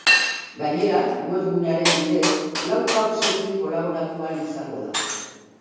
Gainera, web gunearen bidez, lau kausekin kolaboratu ahal izango da.